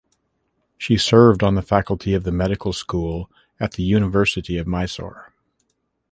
She served on the faculty of the medical school at the University of Mysore.